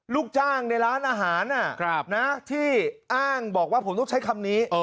ลูกจ้างในร้านอาหารที่อ้างบอกว่าผมต้องใช้คำนี้